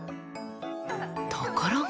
ところが。